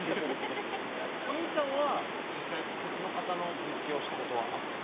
お兄ちゃんは実際別の方の振り付けをしたことはあったの？